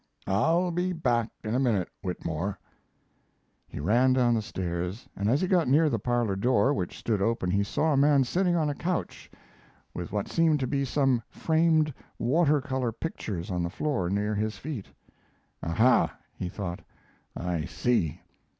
I'll be back in a minute, Whitmore." He ran down the stairs, and as he got near the parlor door, which stood open, he saw a man sitting on a couch with what seemed to be some framed water color pictures on the floor near his feet. "Ah, ha!" he thought, "I see.